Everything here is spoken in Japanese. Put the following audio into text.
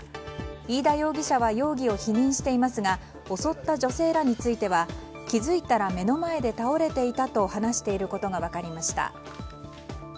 飯田容疑者は容疑を否認していますが襲った女性らについては気づいたら目の前で倒れていたと話していることが分かりました。